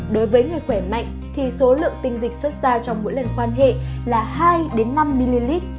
đối với người khỏe mạnh thì số lượng tinh dịch xuất ra trong mỗi lần quan hệ là hai năm ml